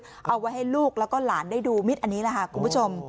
เอาไว้ให้ลูกแล้วก็หลานได้ดูมิตรอันนี้แหละค่ะคุณผู้ชม